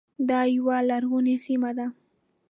دا یوه غرنۍ سیمه ده.